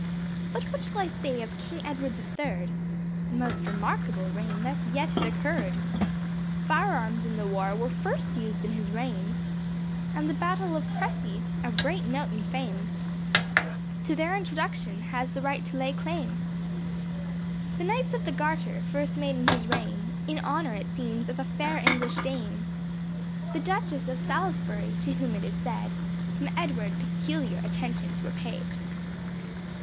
But what shall I say of King Edward the third, The most remarkable reign, that yet had occurred; Fire arms in the war, were first used in his reign, And the battle of Cressy of great note and fame, To their introduction has the right to lay claim. The knights of the Garter, first made in his reign In honor it seems of a fair English dame, The Duchess of Salisbury to whom it is said, From Edward peculiar attentions were paid.